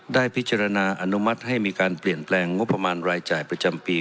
ได้พิจารณาอนุมัติให้มีการเปลี่ยนแปลงงบประมาณรายจ่ายประจำปี